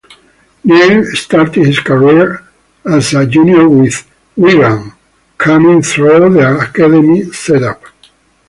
Neil started his career as a junior with Wigan, coming through their Academy set-up.